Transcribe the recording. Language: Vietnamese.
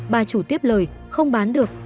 bà chủ tiếp lời không bán được